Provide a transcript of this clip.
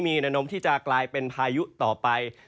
มีแนวนมที่จะกลายเป็นพายุต่อไป